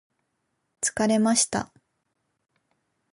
疲れました